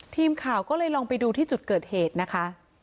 ทีมข่าวก็เลยลองไปดูที่จุดเกิดเหตุนะคะ